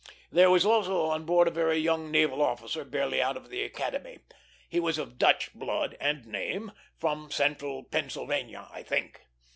There was also on board a very young naval officer, barely out of the Academy. He was of Dutch blood and name from central Pennsylvania, I think.